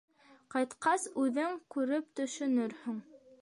Ҡайтҡас, үҙең күреп төшөнөрһөң.